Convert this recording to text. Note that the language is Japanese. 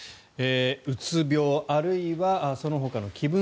うつ病、あるいはそのほかの気分